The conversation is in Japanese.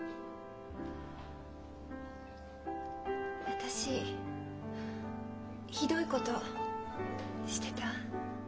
私ひどいことしてた？